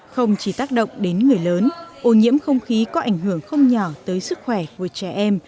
không chỉ tác động đến người lớn ô nhiễm không khí có ảnh hưởng không nhỏ tới sức khỏe của trẻ em